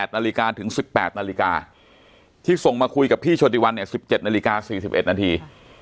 ๘นาฬิกาถึง๑๘นาฬิกาที่ส่งมาคุยกับพี่โชติวันเนี่ย๑๗นาฬิกา๔๑นาที